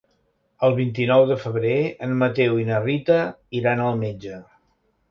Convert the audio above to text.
El vint-i-nou de febrer en Mateu i na Rita iran al metge.